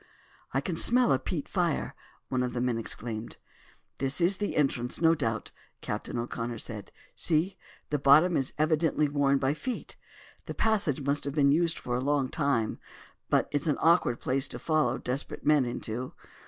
"I can smell a peat fire!" one of the men exclaimed. "This is the entrance, no doubt," Captain O'Connor said. "See, the bottom is evidently worn by feet. The passage must have been used for a long time; but it's an awkward place to follow desperate men into."